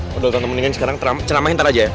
padahal tante mendingan sekarang teramahin tante aja ya